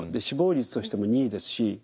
死亡率としても２位ですし。